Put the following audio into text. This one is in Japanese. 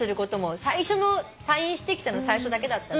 最初の退院してきた最初だけだったし。